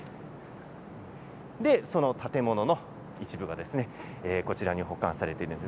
その建物の一部がこちらに保管されているんです。